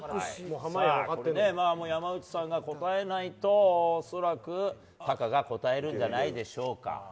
山内さんが答えないと恐らく、タカが答えるんじゃないでしょうか。